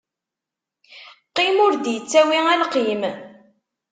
Qqim ur d-ittawi alqim.